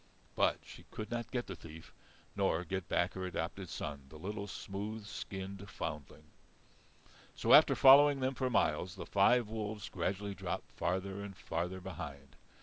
But she could not get the thief, nor get back her adopted son, the little smooth skinned foundling. So after following them for miles, the five wolves gradually dropped farther and farther behind.